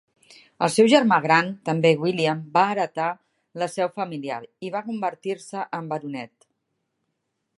El seu germà gran, també William va heretà la seu familiar i va convertir-se en baronet.